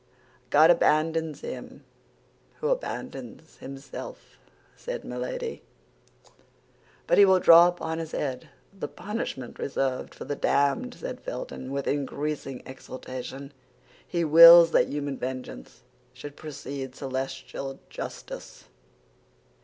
"God abandons him who abandons himself," said Milady. "But he will draw upon his head the punishment reserved for the damned!" said Felton, with increasing exultation. "He wills that human vengeance should precede celestial justice."